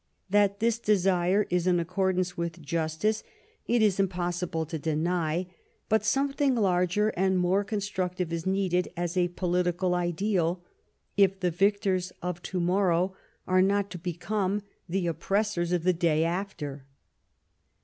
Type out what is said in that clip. That this desire is in accordance with justice, it is impossible to deny; but something larger and more constructive is needed as a political ideal, if the victors of to morrow are not to become the oppressors of the day after.